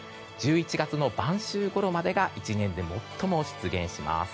１１月の晩秋ごろまでが１年で最も出現します。